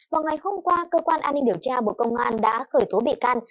vào ngày hôm qua cơ quan an ninh điều tra bộ công an đã khởi tố bị can